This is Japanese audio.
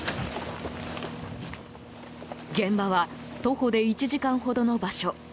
現場は徒歩で１時間ほどの場所。